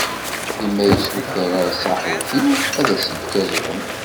I ma yessuter-as aḥutiw, ad s-ifk azrem?